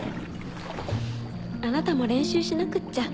あなたも練習しなくっちゃ。